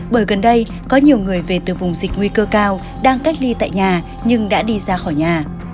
bởi gần đây có nhiều người về từ vùng dịch nguy cơ cao đang cách ly tại nhà nhưng đã đi ra khỏi nhà